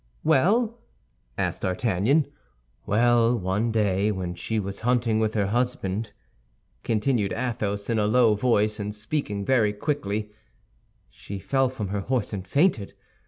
"Well?" asked D'Artagnan. "Well, one day when she was hunting with her husband," continued Athos, in a low voice, and speaking very quickly, "she fell from her horse and fainted.